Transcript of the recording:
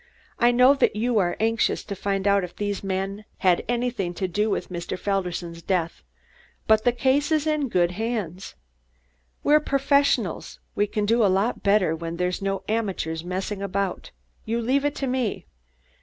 "I know that you are anxious to find out if these men had anything to do with Mr. Felderson's death, but the case is in good hands. We professionals can do a lot better, when there's no amateurs messing about. You leave it to me!"